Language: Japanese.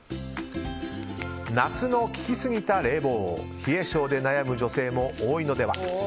夏の利き過ぎた冷房冷え性で悩む女性も多いのでは？